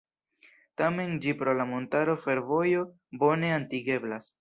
Tamen ĝi pro la montara fervojo bone atingeblas.